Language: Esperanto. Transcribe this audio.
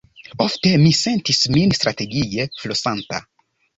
Ofte mi sentis min strategie flosanta.